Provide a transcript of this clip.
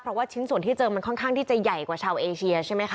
เพราะว่าชิ้นส่วนที่เจอมันค่อนข้างที่จะใหญ่กว่าชาวเอเชียใช่ไหมคะ